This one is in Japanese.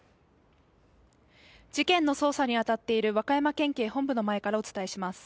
事件の捜査に当たっている和歌山県警本部の前からお伝えします。